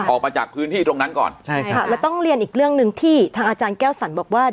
ออกมาจากพื้นที่ตรงนั้นก่อนใช่ค่ะแล้วต้องเรียนอีกเรื่องหนึ่งที่ทางอาจารย์แก้วสรรบอกว่า